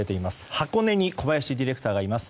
箱根に小林ディレクターがいます。